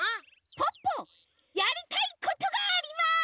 ポッポやりたいことがあります！